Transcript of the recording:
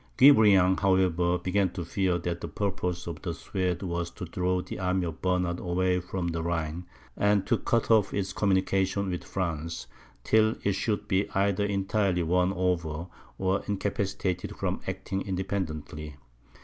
Guebriant, however, began to fear that the purpose of the Swedes was to draw the army of Bernard away from the Rhine, and to cut off its communication with France, till it should be either entirely won over, or incapacitated from acting independently.